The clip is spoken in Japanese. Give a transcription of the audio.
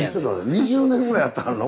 ２０年ぐらいやってはるの？